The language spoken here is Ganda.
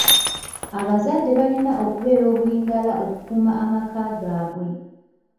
Abazadde balina okubeera obulindaala okukuuma amaka gaabwe.